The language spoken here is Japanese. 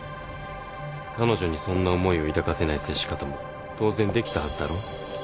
彼女にそんな思いを抱かせない接し方も当然できたはずだろ？